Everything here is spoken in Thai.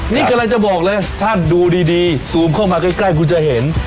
นี่กำลังจะบอกเลยถ้าดูดีซูมเข้ามาใกล้คุณจะเห็น